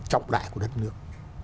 trọng đại của đất nước